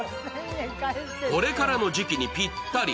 これからの時期にぴったり。